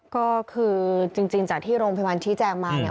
ก็คือจริงจากที่โรงพยาบาลชี้แจงมาเนี่ย